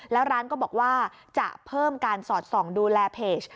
แล้วร้านก็บอกว่าจะเพิ่มการสอดส่องดูแลเพจ